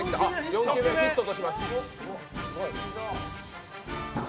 ４球目、ヒットとしました。